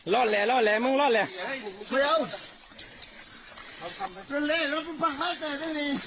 รอดแล้วรอดแล้วมึงรอดแล้วเดี๋ยว